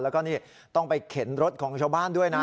แล้วก็นี่ต้องไปเข็นรถของชาวบ้านด้วยนะ